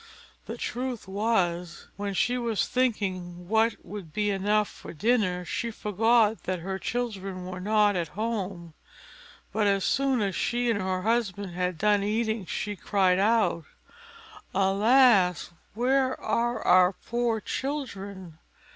The truth was, when she was thinking what would be enough for dinner, she forgot that her children were not at home; but as soon as she and her husband had done eating, she cried out, "Alas! where are our poor children?